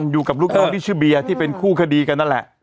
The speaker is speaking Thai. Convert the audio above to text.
อยู่ข้างในใช้เงิน